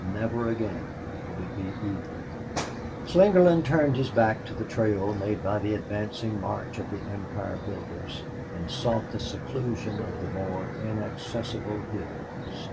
Never again would it be either. Slingerland turned his back to the trail made by the advancing march of the empire builders, and sought the seclusion of the more inaccessible hills.